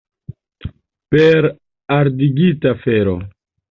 Per ardigita fero!